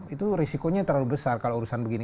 itu risikonya terlalu besar kalau urusan begini